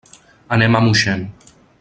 Anem a Moixent.